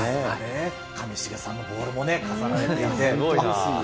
上重さんのボールも飾られていて。